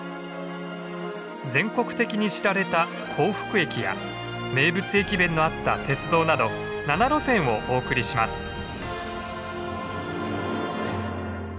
全国的に知られた幸福駅や名物駅弁のあった鉄道など７路線をお送りします。